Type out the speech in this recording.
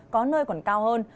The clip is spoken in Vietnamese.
có nơi còn cao hơn